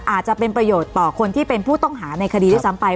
อาจจะเป็นประโยชน์ต่อคนที่เป็นผู้ต้องหาในคดีด้วยซ้ำไป